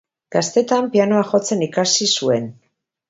Gaztetan pianoa jotzen ikasi zuen.